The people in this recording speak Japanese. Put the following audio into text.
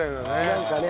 なんかね